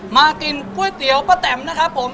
มากินก๋วยเตี๋ยวป้าแตมนะครับผม